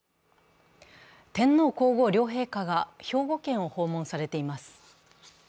天皇皇后両陛下が兵庫県を訪問されています。